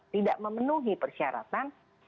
tidak memenuhi persyaratan